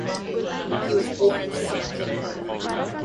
He was born in Santa Marta.